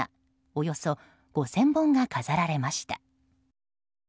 およそ５０００本が飾られました。